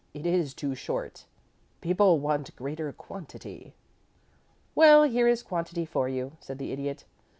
"It is too short. People want greater quantity." "Well, here is quantity for you," said the Idiot.